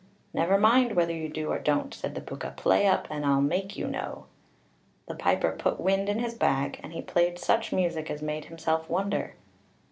"Never mind whether you do or you don't," said the Púca. "Play up, and I'll make you know." The piper put wind in his bag, and he played such music as made himself wonder.